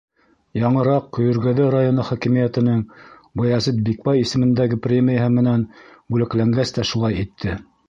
Яңыраҡ Көйөргәҙе районы хакимиәтенең Баязит Бикбай исемендәге премияһы менән бүләкләнгәс тә шулай итте.